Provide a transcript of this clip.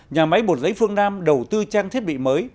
nhà máy bột giấy phương nam đầu tư trang thiết bị mới